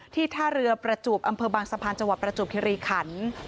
ท่าเรือประจวบอำเภอบางสะพานจังหวัดประจวบคิริขัน